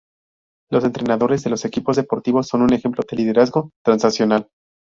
Los entrenadores de los equipos deportivos son un ejemplo de liderazgo transaccional.